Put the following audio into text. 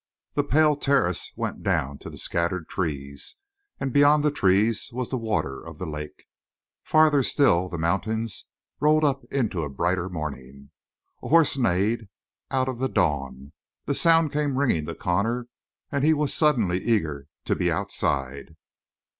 The pale terraces went down to scattered trees, and beyond the trees was the water of the lake. Farther still the mountains rolled up into a brighter morning. A horse neighed out of the dawn; the sound came ringing to Connor, and he was suddenly eager to be outside.